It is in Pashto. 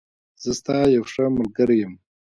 زه ستا یوښه ملګری یم.